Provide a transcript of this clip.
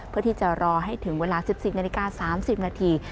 เพื่อที่จะรอให้ถึงเวลา๑๔นาฬิกา๓๐นาที